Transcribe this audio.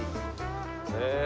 へえ。